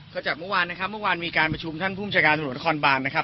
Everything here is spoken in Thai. ก็จากเมื่อวานนะครับเมื่อวานมีการประชุมท่านภูมิชาการตำรวจนครบานนะครับ